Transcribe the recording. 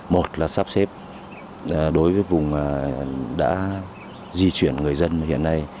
một là sắp xếp đối với vùng đã di chuyển người dân hiện nay